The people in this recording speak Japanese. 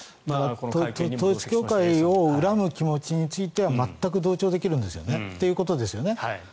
統一教会を恨む気持ちについては全く同調できるということですよね。